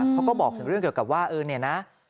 เขาก็บอกถึงเรื่องเกี่ยวกับว่าเออเนี่ยนะ